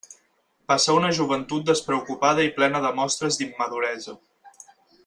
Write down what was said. Passà una joventut despreocupada i plena de mostres d'immaduresa.